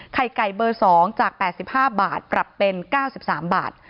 ไข่ไก่เบอร์๒จาก๘๕บาทปรับเป็น๙๓บาท